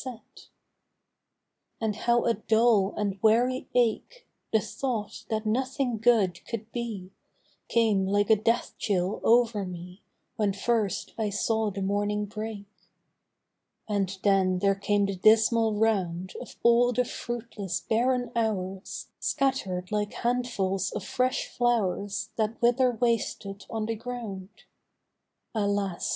Compensation. 129 And how a dull and weary ache, The thought that nothing good could be, Came like a death chill over me When first I saw the morning break. And then there came the dismal round Of all the fruitless barren hours Scatter'd like handfuls of fresh flowVs That wither wasted on the ground. Alas !